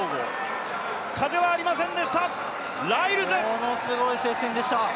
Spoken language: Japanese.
ものすごい接戦でした。